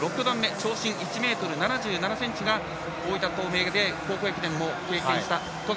長身、１ｍ７７ｃｍが大分・東明で高校駅伝も経験した十川。